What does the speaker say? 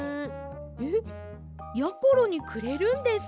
えっやころにくれるんですか？